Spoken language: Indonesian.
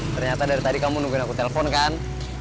ternyata dari tadi kamu nungguin aku telpon kan